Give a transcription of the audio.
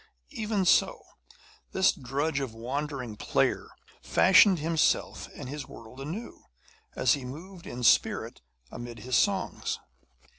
Even so, this drudge of wandering players fashioned himself and his world anew, as he moved in spirit amid his songs.